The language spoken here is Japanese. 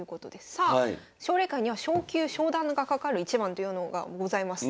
さあ奨励会には昇級昇段がかかる一番というのがございます。